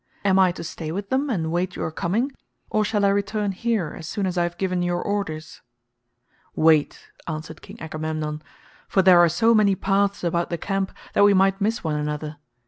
Am I to stay with them and wait your coming, or shall I return here as soon as I have given your orders?" "Wait," answered King Agamemnon, "for there are so many paths about the camp that we might miss one another.